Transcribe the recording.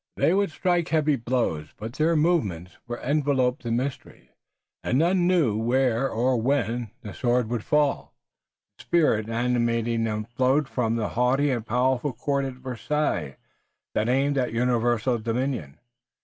They would strike heavy blows, but their movements were enveloped in mystery, and none knew where or when the sword would fall. The spirit animating them flowed from the haughty and powerful court at Versailles that aimed at universal dominion.